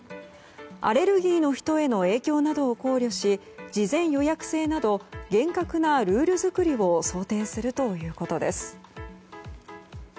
アレルギーの人への影響などを考慮し、事前予約制など厳格なルール作りを想定するということです。